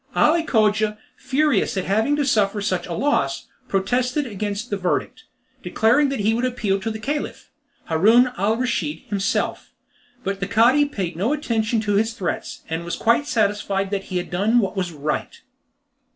Ali Cogia, furious at having to suffer such a loss, protested against the verdict, declaring that he would appeal to the Caliph, Haroun al Raschid, himself. But the Cadi paid no attention to his threats, and was quite satisfied that he had done what was right.